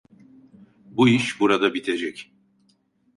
Bu iş burada bitecek.